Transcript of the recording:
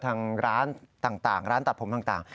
ทางร้านต่างร้านตัดผมต่าง